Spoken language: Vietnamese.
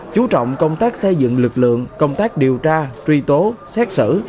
chú trọng công tác xây dựng lực lượng công tác điều tra truy tố xét xử